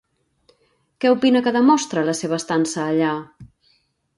Què opina que demostra la seva estança allà?